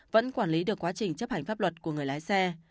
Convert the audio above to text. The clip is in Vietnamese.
vẫn quản lý được quá trình chấp hành pháp luật của người lái xe